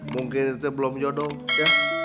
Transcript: mungkin belum jodoh